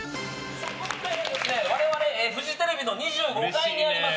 今回はですね、我々フジテレビの２５階にあります